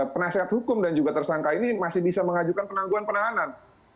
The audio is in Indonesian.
penasehat hukum dan juga tersangka ini masih bisa mengajukan penangguhan penahanan